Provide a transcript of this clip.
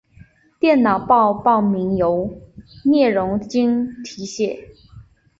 电脑报报名由聂荣臻题写。